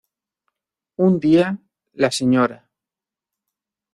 Un día, la Sra.